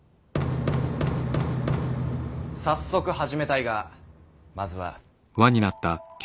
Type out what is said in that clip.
早速始めたいがまずは。